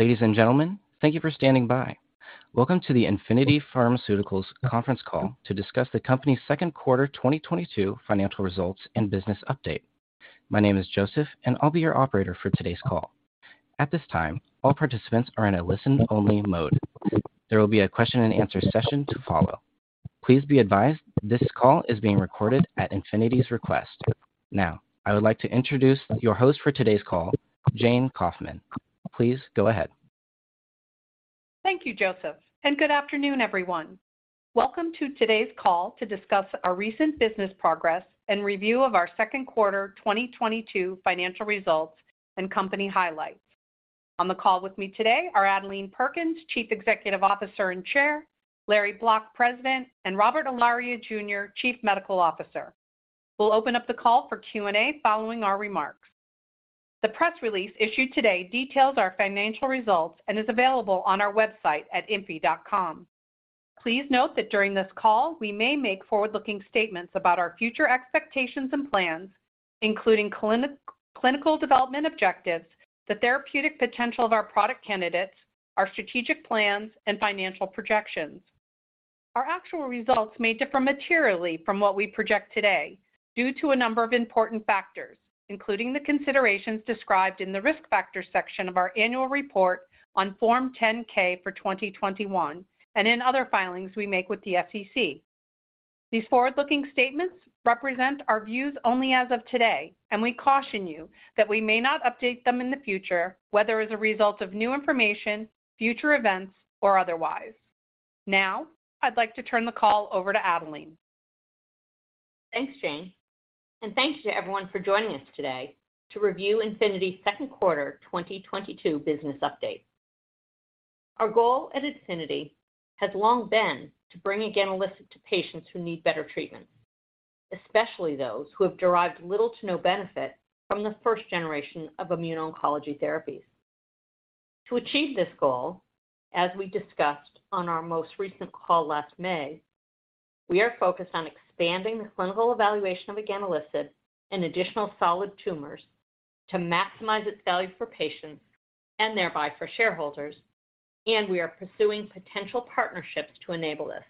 Ladies and gentlemen, thank you for standing by. Welcome to the Infinity Pharmaceuticals conference call to discuss the company's second quarter 2022 financial results and business update. My name is Joseph, and I'll be your operator for today's call. At this time, all participants are in a listen-only mode. There will be a question and answer session to follow. Please be advised this call is being recorded at Infinity's request. Now, I would like to introduce your host for today's call, Jayne Kauffman. Please go ahead. Thank you, Joseph, and good afternoon, everyone. Welcome to today's call to discuss our recent business progress and review of our second quarter 2022 financial results and company highlights. On the call with me today are Adelene Perkins, Chief Executive Officer and Chair, Lawrence Bloch, President, and Robert Ilaria, Jr., Chief Medical Officer. We'll open up the call for Q&A following our remarks. The press release issued today details our financial results and is available on our website at infi.com. Please note that during this call, we may make forward-looking statements about our future expectations and plans, including clinical development objectives, the therapeutic potential of our product candidates, our strategic plans, and financial projections. Our actual results may differ materially from what we project today due to a number of important factors, including the considerations described in the Risk Factors section of our annual report on Form 10-K for 2021 and in other filings we make with the SEC. These forward-looking statements represent our views only as of today, and we caution you that we may not update them in the future, whether as a result of new information, future events, or otherwise. Now, I'd like to turn the call over to Adelene. Thanks, Jayne, and thanks to everyone for joining us today to review Infinity's second quarter 2022 business update. Our goal at Infinity has long been to bring eganelisib to patients who need better treatments, especially those who have derived little to no benefit from the first generation of immuno-oncology therapies. To achieve this goal, as we discussed on our most recent call last May, we are focused on expanding the clinical evaluation of eganelisib in additional solid tumors to maximize its value for patients and thereby for shareholders, and we are pursuing potential partnerships to enable this.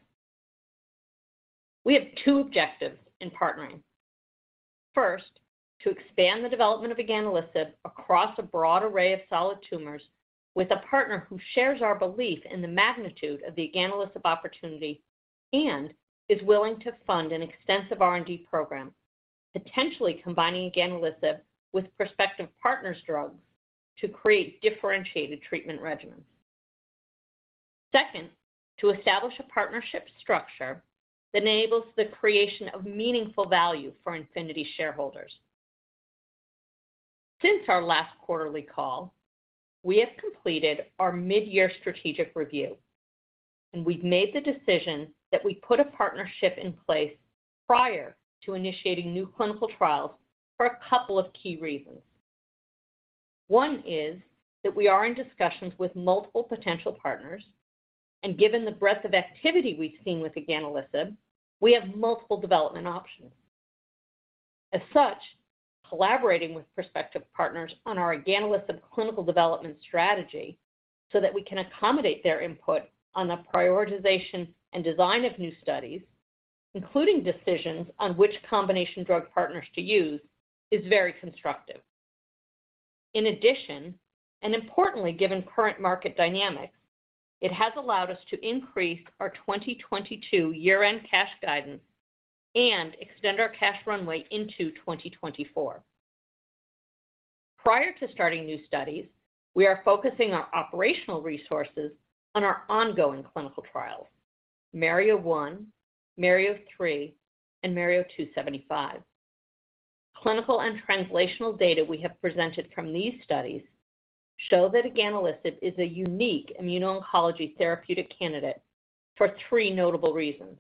We have two objectives in partnering. First, to expand the development of eganelisib across a broad array of solid tumors with a partner who shares our belief in the magnitude of the eganelisib opportunity and is willing to fund an extensive R&D program, potentially combining eganelisib with prospective partners' drugs to create differentiated treatment regimens. Second, to establish a partnership structure that enables the creation of meaningful value for Infinity shareholders. Since our last quarterly call, we have completed our mid-year strategic review, and we've made the decision that we put a partnership in place prior to initiating new clinical trials for a couple of key reasons. One is that we are in discussions with multiple potential partners, and given the breadth of activity we've seen with eganelisib, we have multiple development options. As such, collaborating with prospective partners on our eganelisib clinical development strategy so that we can accommodate their input on the prioritization and design of new studies, including decisions on which combination drug partners to use, is very constructive. In addition, and importantly given current market dynamics, it has allowed us to increase our 2022 year-end cash guidance and extend our cash runway into 2024. Prior to starting new studies, we are focusing our operational resources on our ongoing clinical trials, MARIO-1, MARIO-3, and MARIO-275. Clinical and translational data we have presented from these studies show that eganelisib is a unique immuno-oncology therapeutic candidate for three notable reasons.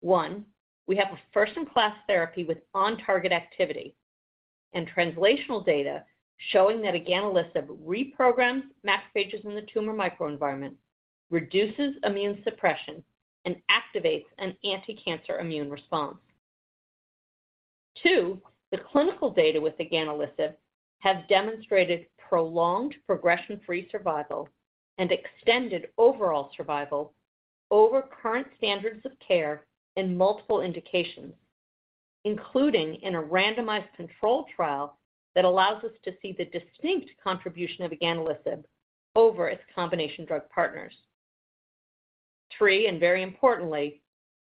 One, we have a first-in-class therapy with on-target activity and translational data showing that eganelisib reprograms macrophages in the tumor microenvironment, reduces immune suppression, and activates an anticancer immune response. Two, the clinical data with eganelisib have demonstrated prolonged progression-free survival and extended overall survival over current standards of care in multiple indications, including in a randomized controlled trial that allows us to see the distinct contribution of eganelisib over its combination drug partners. Three, and very importantly,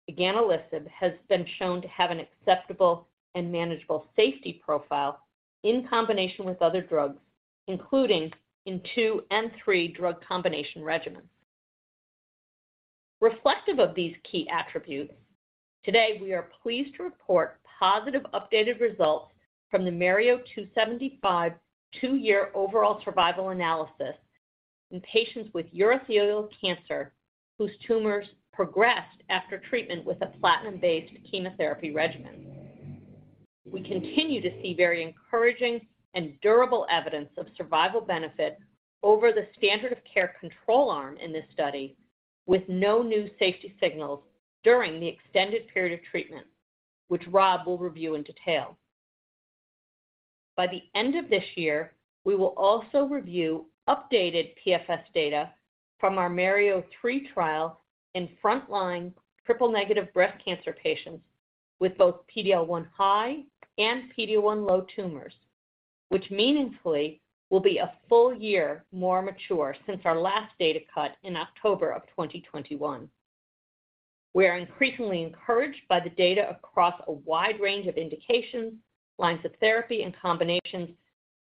eganelisib has been shown to have an acceptable and manageable safety profile in combination with other drugs, including in two and three drug combination regimens. Reflective of these key attributes, today we are pleased to report positive updated results from the MARIO-275 two-year overall survival analysis in patients with urothelial cancer whose tumors progressed after treatment with a platinum-based chemotherapy regimen. We continue to see very encouraging and durable evidence of survival benefit over the standard of care control arm in this study with no new safety signals during the extended period of treatment, which Rob will review in detail. By the end of this year, we will also review updated PFS data from our MARIO-3 trial in front-line triple-negative breast cancer patients with both PD-L1 high and PD-L1 low tumors, which meaningfully will be a full year more mature since our last data cut in October 2021. We are increasingly encouraged by the data across a wide range of indications, lines of therapy, and combinations,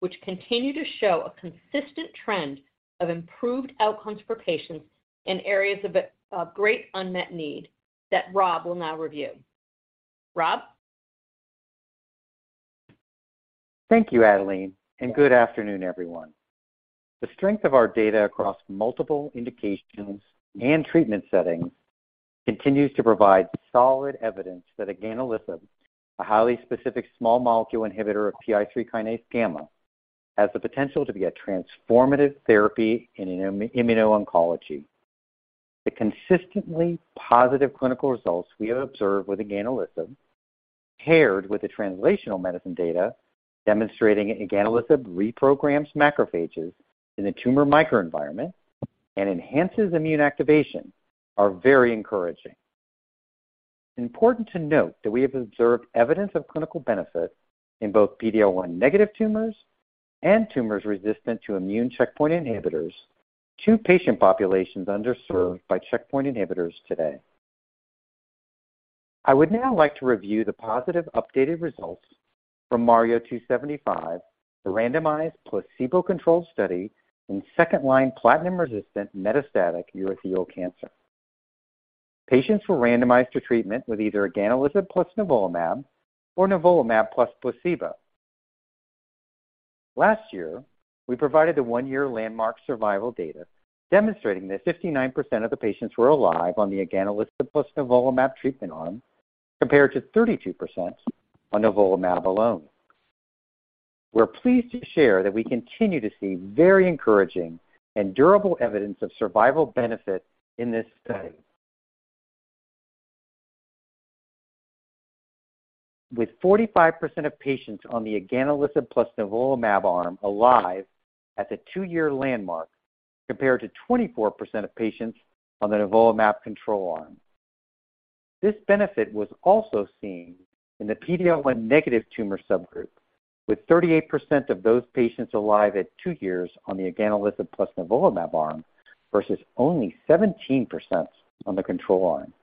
which continue to show a consistent trend of improved outcomes for patients in areas of a great unmet need that Rob will now review. Rob? Thank you, Adelene, and good afternoon, everyone. The strength of our data across multiple indications and treatment settings continues to provide solid evidence that eganelisib, a highly specific small molecule inhibitor of PI3K-γ, has the potential to be a transformative therapy in immuno-oncology. The consistently positive clinical results we have observed with eganelisib paired with the translational medicine data demonstrating eganelisib reprograms macrophages in the tumor microenvironment and enhances immune activation are very encouraging. Important to note that we have observed evidence of clinical benefit in both PD-L1-negative tumors and tumors resistant to immune checkpoint inhibitors, two patient populations underserved by checkpoint inhibitors today. I would now like to review the positive updated results from MARIO-275, the randomized placebo-controlled study in second-line platinum-resistant metastatic urothelial cancer. Patients were randomized to treatment with either eganelisib plus nivolumab or nivolumab plus placebo. Last year, we provided the one-year landmark survival data demonstrating that 59% of the patients were alive on the eganelisib plus nivolumab treatment arm, compared to 32% on nivolumab alone. We're pleased to share that we continue to see very encouraging and durable evidence of survival benefit in this study. With 45% of patients on the eganelisib plus nivolumab arm alive at the two-year landmark, compared to 24% of patients on the nivolumab control arm. This benefit was also seen in the PD-L1 negative tumor subgroup, with 38% of those patients alive at two years on the eganelisib plus nivolumab arm versus only 17% on the control arm.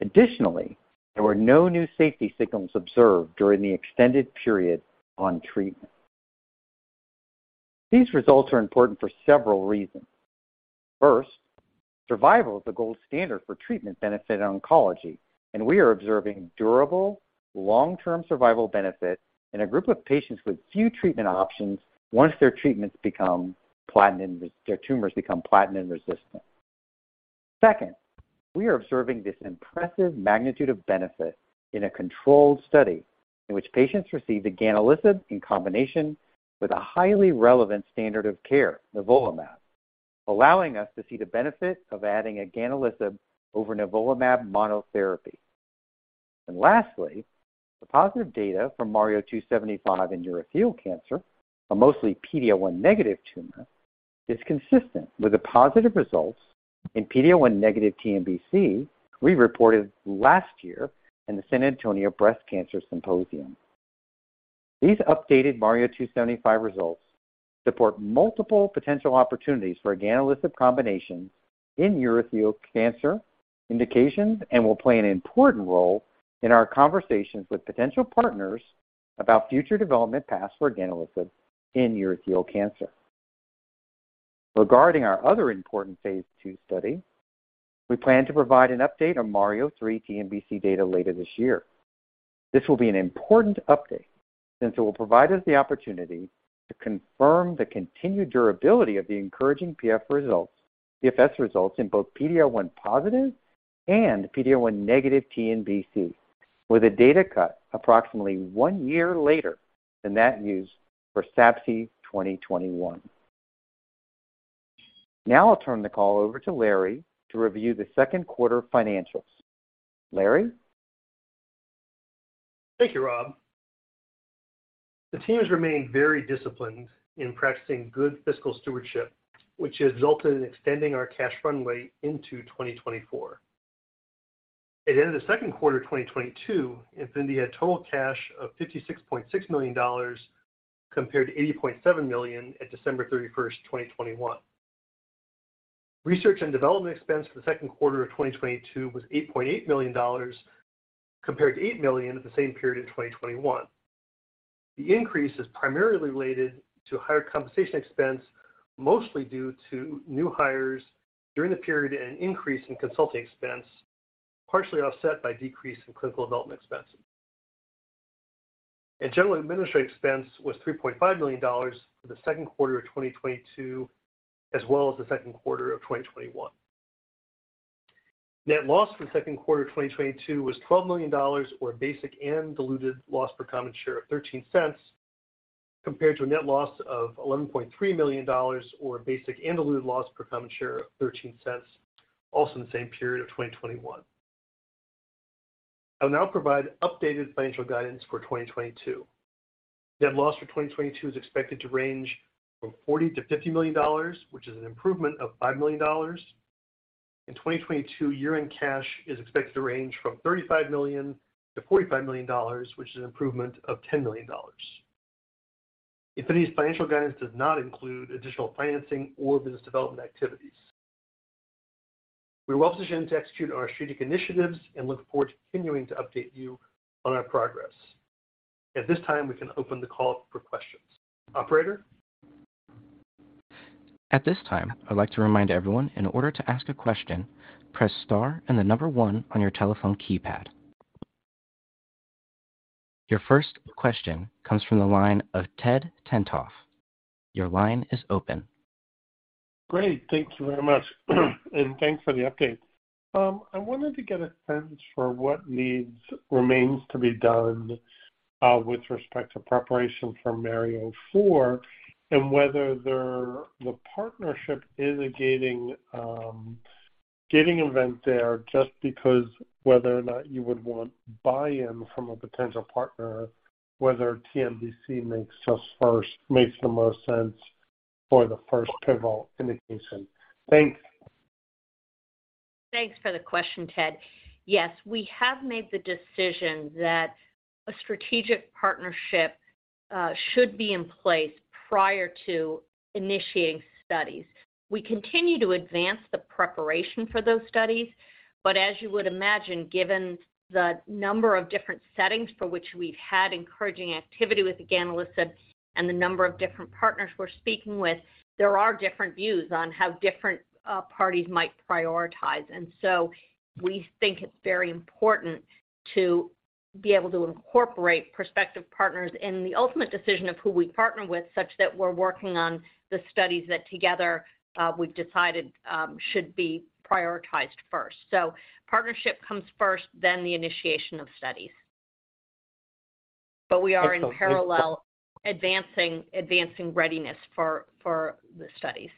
Additionally, there were no new safety signals observed during the extended period on treatment. These results are important for several reasons. First, survival is the gold standard for treatment benefit in oncology, and we are observing durable, long-term survival benefit in a group of patients with few treatment options once their tumors become platinum resistant. Second, we are observing this impressive magnitude of benefit in a controlled study in which patients received eganelisib in combination with a highly relevant standard of care, nivolumab, allowing us to see the benefit of adding eganelisib over nivolumab monotherapy. Lastly, the positive data from MARIO-275 in urothelial cancer, a mostly PD-L1 negative tumor, is consistent with the positive results in PD-L1 negative TNBC we reported last year in the San Antonio Breast Cancer Symposium. These updated MARIO-275 results support multiple potential opportunities for eganelisib combinations in urothelial cancer indications and will play an important role in our conversations with potential partners about future development paths for eganelisib in urothelial cancer. Regarding our other important phase II study, we plan to provide an update on MARIO-3 TNBC data later this year. This will be an important update since it will provide us the opportunity to confirm the continued durability of the encouraging PFS results in both PD-L1 positive and PD-L1 negative TNBC with a data cut approximately one year later than that used for SABCS 2021. Now I'll turn the call over to Larry to review the second quarter financials. Larry? Thank you, Rob. The team has remained very disciplined in practicing good fiscal stewardship, which has resulted in extending our cash runway into 2024. At the end of the second quarter of 2022, Infinity had total cash of $56.6 million compared to $80.7 million at December 31st, 2021. Research and development expense for the second quarter of 2022 was $8.8 million compared to $8 million at the same period in 2021. The increase is primarily related to higher compensation expense, mostly due to new hires during the period and an increase in consulting expense, partially offset by decrease in clinical development expenses. General administrative expense was $3.5 million for the second quarter of 2022, as well as the second quarter of 2021. Net loss for the second quarter of 2022 was $12 million, or basic and diluted loss per common share of $0.13. Compared to a net loss of $11.3 million or basic and diluted loss per common share of $0.13 also in the same period of 2021. I'll now provide updated financial guidance for 2022. Net loss for 2022 is expected to range from $40 million-$50 million, which is an improvement of $5 million. In 2022, year-end cash is expected to range from $35 million-$45 million, which is an improvement of $10 million. Infinity's financial guidance does not include additional financing or business development activities. We're well-positioned to execute on our strategic initiatives and look forward to continuing to update you on our progress. At this time, we can open the call up for questions. Operator? At this time, I'd like to remind everyone, in order to ask a question, press star and 1 on your telephone keypad. Your first question comes from the line of Ted Tenthoff. Your line is open. Great. Thank you very much and thanks for the update. I wanted to get a sense for what needs remains to be done, with respect to preparation for MARIO-4, and whether the partnership is a gating event there just because whether or not you would want buy-in from a potential partner, whether TNBC makes the most sense for the first pivotal indication. Thanks. Thanks for the question, Ted. Yes, we have made the decision that a strategic partnership should be in place prior to initiating studies. We continue to advance the preparation for those studies, but as you would imagine, given the number of different settings for which we've had encouraging activity with eganelisib and the number of different partners we're speaking with, there are different views on how different parties might prioritize. We think it's very important to be able to incorporate prospective partners in the ultimate decision of who we partner with, such that we're working on the studies that together we've decided should be prioritized first. Partnership comes first, then the initiation of studies. We are in parallel advancing readiness for the studies.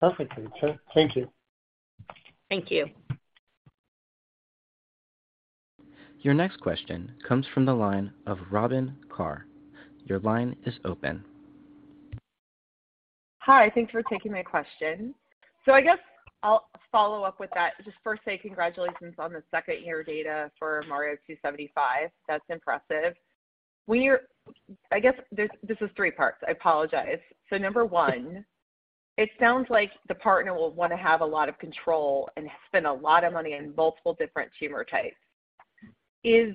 Perfect. Thank you. Thank you. Your next question comes from the line of Robyn Karnauskas. Your line is open. Hi. Thanks for taking my question. I guess I'll follow up with that. Just first say congratulations on the second-year data for MARIO-275. That's impressive. When you're I guess this is three parts. I apologize. Number one, it sounds like the partner will wanna have a lot of control and spend a lot of money in multiple different tumor types. Is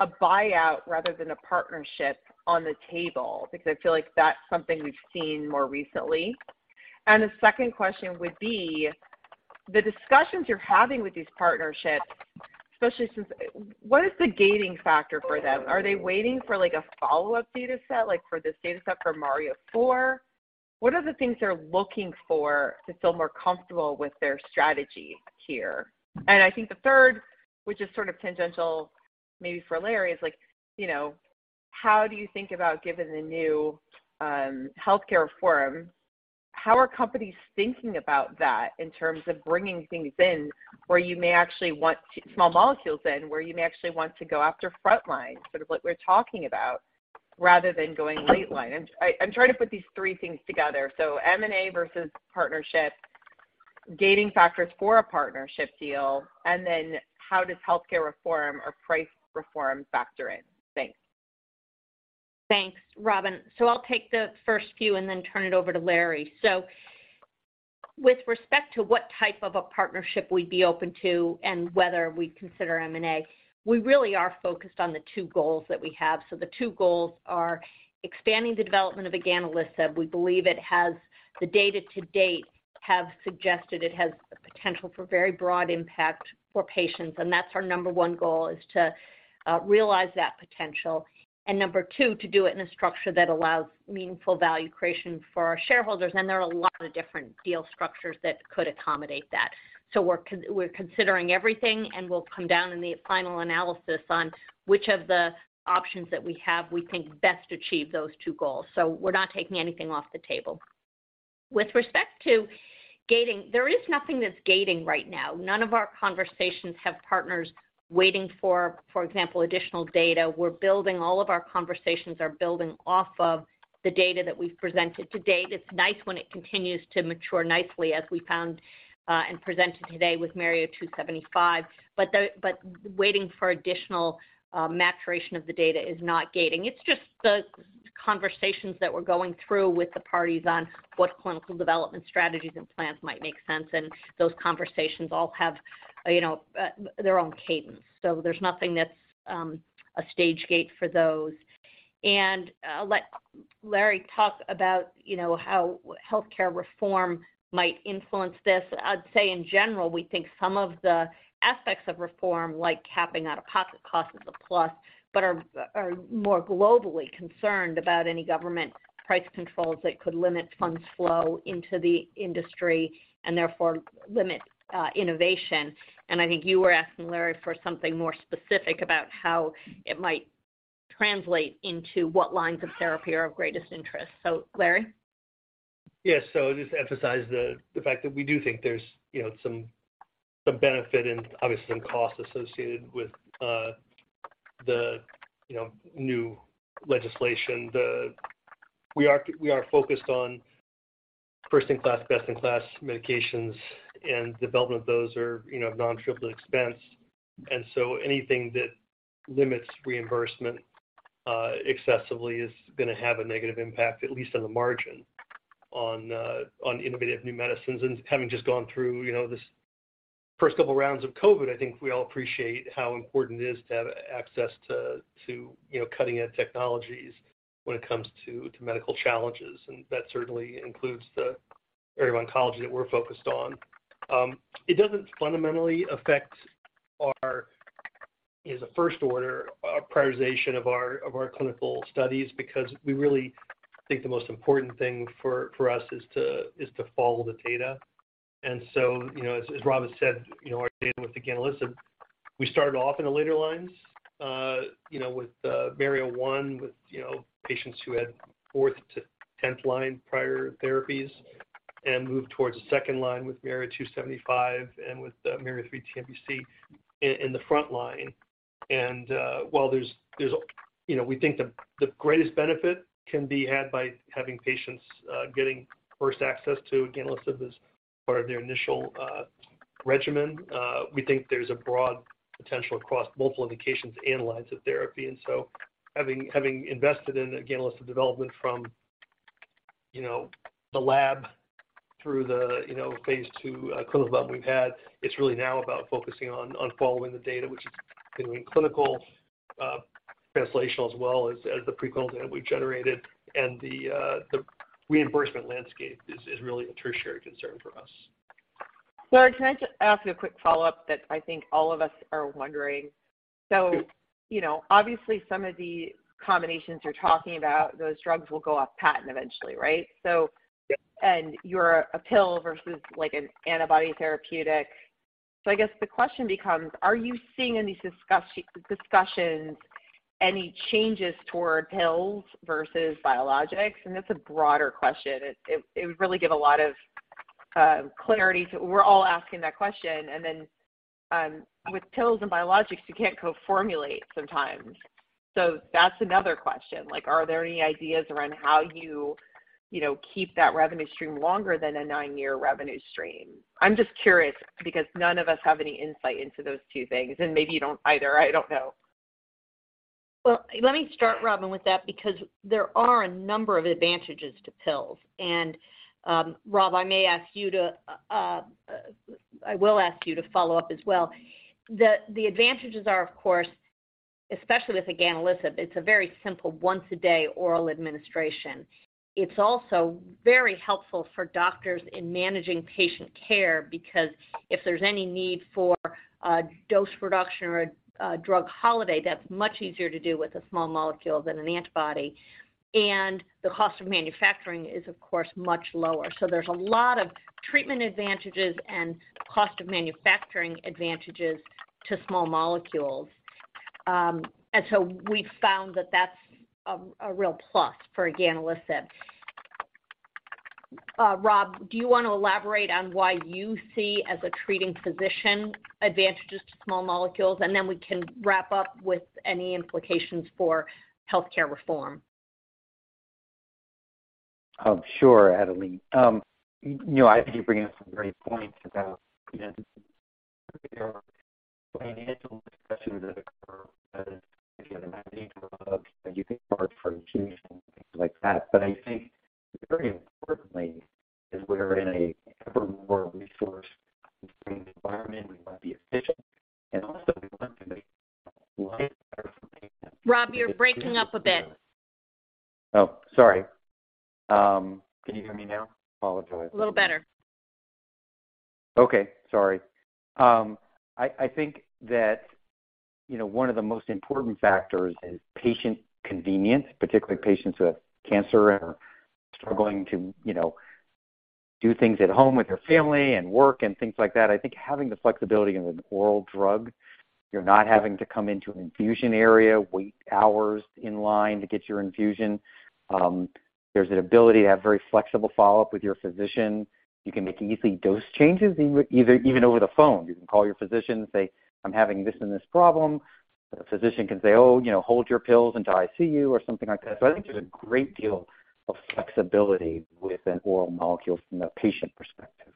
a buyout rather than a partnership on the table? Because I feel like that's something we've seen more recently. The second question would be, the discussions you're having with these partnerships, especially since. What is the gating factor for them? Are they waiting for, like, a follow-up dataset, like for this dataset for MARIO-4? What are the things they're looking for to feel more comfortable with their strategy here? I think the third, which is sort of tangential maybe for Larry, is like, you know, how do you think about given the new healthcare reform, how are companies thinking about that in terms of bringing things in where you may actually want to small molecules in, where you may actually want to go after frontline, sort of like we're talking about, rather than going late line? I'm trying to put these three things together. M&A versus partnership, gating factors for a partnership deal, and then how does healthcare reform or price reform factor in? Thanks. Thanks, Robyn. I'll take the first few and then turn it over to Larry. With respect to what type of a partnership we'd be open to and whether we'd consider M&A, we really are focused on the two goals that we have. The two goals are expanding the development of eganelisib. We believe it has. The data to date have suggested it has the potential for very broad impact for patients, and that's our number one goal, is to realize that potential. Number two, to do it in a structure that allows meaningful value creation for our shareholders, and there are a lot of different deal structures that could accommodate that. We're considering everything, and we'll come down in the final analysis on which of the options that we have we think best achieve those two goals. We're not taking anything off the table. With respect to gating, there is nothing that's gating right now. None of our conversations have partners waiting for example, additional data. All of our conversations are building off of the data that we've presented to date. It's nice when it continues to mature nicely, as we found, and presented today with MARIO-275. But waiting for additional maturation of the data is not gating. It's just the conversations that we're going through with the parties on what clinical development strategies and plans might make sense, and those conversations all have, you know, their own cadence. There's nothing that's a stage gate for those. I'll let Larry talk about, you know, how healthcare reform might influence this. I'd say in general, we think some of the aspects of reform, like capping out-of-pocket costs, is a plus, but are more globally concerned about any government price controls that could limit funds flow into the industry and therefore limit innovation. I think you were asking, Larry, for something more specific about how it might translate into what lines of therapy are of greatest interest. Larry? Yes. Just to emphasize the fact that we do think there's, you know, some benefit and obviously some costs associated with, you know, the new legislation. We are focused on first-in-class, best-in-class medications, and development of those are, you know, of non-trivial expense. Anything that limits reimbursement excessively is gonna have a negative impact, at least on the margin, on innovative new medicines. Having just gone through, you know, this first couple rounds of COVID, I think we all appreciate how important it is to have access to, you know, cutting-edge technologies when it comes to, medical challenges, and that certainly includes the area of oncology that we're focused on. It doesn't fundamentally affect our, as a first order, our prioritization of our clinical studies because we really think the most important thing for us is to follow the data. You know, as Rob has said, you know, our data with the eganelisib, we started off in the later lines, you know, with MARIO-1 with patients who had fourth to tenth line prior therapies and moved towards the second line with MARIO-275 and with MARIO-3 TNBC in the front line. While there's, you know, we think the greatest benefit can be had by having patients getting first access to eganelisib as part of their initial regimen. We think there's a broad potential across multiple indications and lines of therapy. Having invested in eganelisib development from, you know, the lab through the, you know, phase II clinical development we've had, it's really now about focusing on following the data, which is continuing clinical translational as well as the preclinical data we've generated. The reimbursement landscape is really a tertiary concern for us. Adelene, can I just ask you a quick follow-up that I think all of us are wondering? Sure You know, obviously some of the combinations you're talking about, those drugs will go off patent eventually, right? So- Yes You're a pill versus like an antibody therapeutic. I guess the question becomes, are you seeing in these discussions any changes toward pills versus biologics? That's a broader question. It would really give a lot of clarity. We're all asking that question. With pills and biologics, you can't co-formulate sometimes. That's another question. Like, are there any ideas around how you know, keep that revenue stream longer than a nine-year revenue stream? I'm just curious because none of us have any insight into those two things, and maybe you don't either. I don't know. Well, let me start, Robyn, with that because there are a number of advantages to pills. Rob, I will ask you to follow up as well. The advantages are, of course, especially with eganelisib, it's a very simple once-a-day oral administration. It's also very helpful for doctors in managing patient care because if there's any need for a dose reduction or a drug holiday, that's much easier to do with a small molecule than an antibody. The cost of manufacturing is, of course, much lower. There's a lot of treatment advantages and cost of manufacturing advantages to small molecules. We've found that that's a real plus for eganelisib. Rob, do you wanna elaborate on why you see as a treating physician advantages to small molecules? We can wrap up with any implications for healthcare reform. Sure, Adelene. You know, I think you're bringing up some great points about, you know, there are financial discussions that occur, if you have an IV drug, you think more for infusion and things like that. I think very importantly is we're in an ever more resource-constrained environment. We want to be efficient, and also we want to make life better for patients. Rob, you're breaking up a bit. Oh, sorry. Can you hear me now? Apologize. A little better. Okay. Sorry. I think that, you know, one of the most important factors is patient convenience, particularly patients with cancer and are struggling to, you know, do things at home with their family and work and things like that. I think having the flexibility of an oral drug, you're not having to come into an infusion area, wait hours in line to get your infusion. There's an ability to have very flexible follow-up with your physician. You can make easy dose changes even over the phone. You can call your physician and say, "I'm having this and this problem." The physician can say, "Oh, you know, hold your pills until I see you," or something like that. I think there's a great deal of flexibility with an oral molecule from the patient perspective.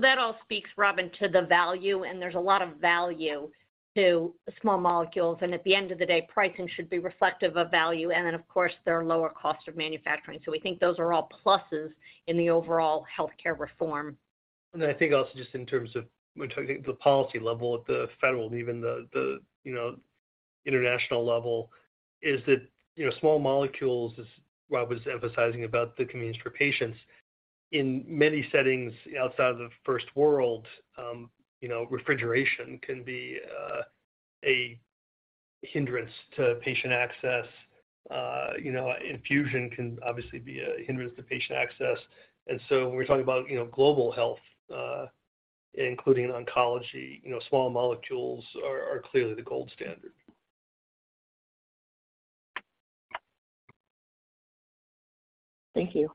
That all speaks, Robyn, to the value, and there's a lot of value to small molecules. At the end of the day, pricing should be reflective of value. Then, of course, there are lower costs of manufacturing. We think those are all pluses in the overall healthcare reform. I think also just in terms of when talking at the policy level, at the federal and even the you know, international level is that, you know, small molecules, as Rob was emphasizing about the convenience for patients, in many settings outside of the first world, refrigeration can be a hindrance to patient access. You know, infusion can obviously be a hindrance to patient access. When we're talking about, you know, global health, including oncology, you know, small molecules are clearly the gold standard. Thank you.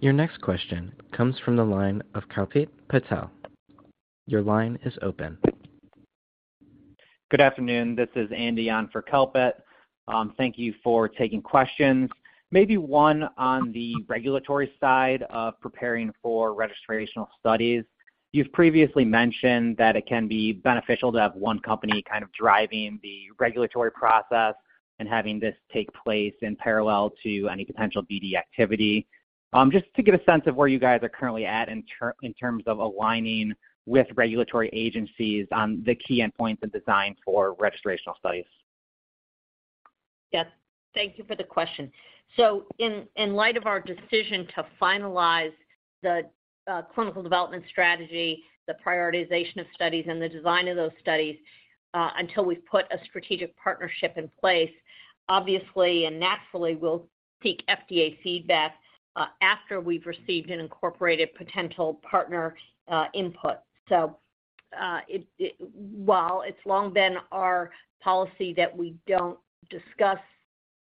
Your next question comes from the line of Kalpit Patel. Your line is open. Good afternoon. This is Andy on for Kalpit. Thank you for taking questions. Maybe one on the regulatory side of preparing for registrational studies. You've previously mentioned that it can be beneficial to have one company kind of driving the regulatory process and having this take place in parallel to any potential BD activity. Just to get a sense of where you guys are currently at in terms of aligning with regulatory agencies on the key endpoints and designs for registrational studies. Yes. Thank you for the question. In light of our decision to finalize the clinical development strategy, the prioritization of studies and the design of those studies, until we've put a strategic partnership in place, obviously and naturally, we'll seek FDA feedback after we've received and incorporated potential partner input. While it's long been our policy that we don't discuss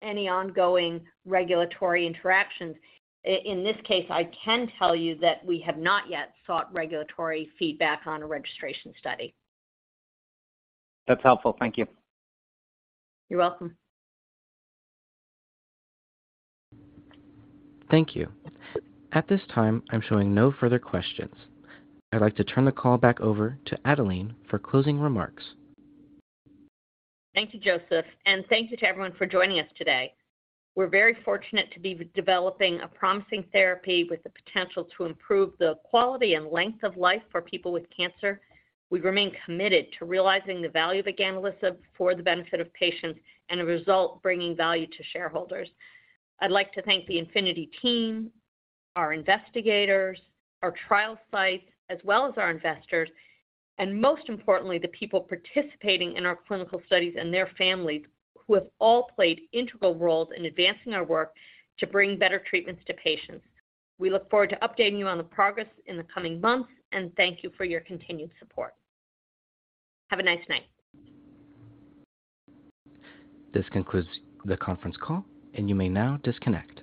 any ongoing regulatory interactions, in this case, I can tell you that we have not yet sought regulatory feedback on a registration study. That's helpful. Thank you. You're welcome. Thank you. At this time, I'm showing no further questions. I'd like to turn the call back over to Adelene for closing remarks. Thank you, Joseph. Thank you to everyone for joining us today. We're very fortunate to be developing a promising therapy with the potential to improve the quality and length of life for people with cancer. We remain committed to realizing the value of eganelisib for the benefit of patients and as a result bringing value to shareholders. I'd like to thank the Infinity team, our investigators, our trial sites, as well as our investors, and most importantly, the people participating in our clinical studies and their families who have all played integral roles in advancing our work to bring better treatments to patients. We look forward to updating you on the progress in the coming months, and thank you for your continued support. Have a nice night. This concludes the conference call, and you may now disconnect.